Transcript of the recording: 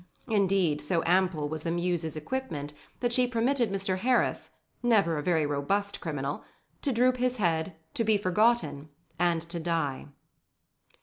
Indeed, so ample was the Muse's equipment that she permitted Mr. Harris, never a very robust criminal, to droop his head, to be forgotten, and to die.